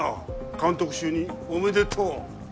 監督就任おめでとう